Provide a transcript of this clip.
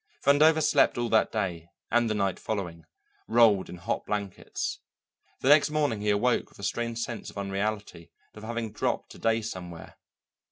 Vandover slept all that day and the night following, rolled in hot blankets. The next morning he awoke with a strange sense of unreality and of having dropped a day somewhere.